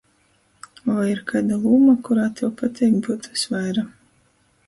Voi ir kaida lūma, kurā tev pateik byut vysvaira?